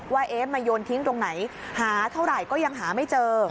ว่ามาโยนทิ้งตรงไหนหาเท่าไหร่ก็ยังหาไม่เจอ